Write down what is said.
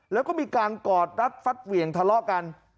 แล้วก็มีการกอดรัดฟัดเหวี่ยงทะเลาะกัน